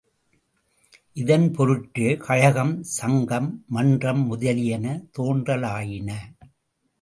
இதன்பொருட்டே கழகம், சங்கம், மன்றம் முதலியன தோன்றலாயின.